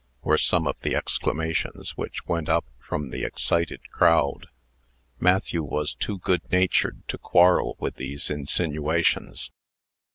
were some of the exclamations which went up from the excited crowd. Matthew was too good natured to quarrel with these insinuations.